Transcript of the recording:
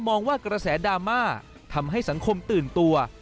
มองว่ากระแสดราม่าทำให้สังคมตื่นตัว